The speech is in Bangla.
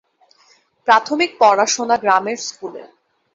প্রাথমিক পড়াশোনা গ্রামের স্কুলে।